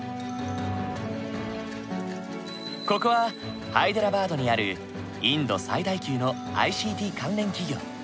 ここはハイデラバードにあるインド最大級のＩＣＴ関連企業。